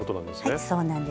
はいそうなんです。